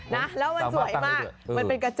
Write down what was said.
นะแล้วมันสวยมากมันเป็นกระจก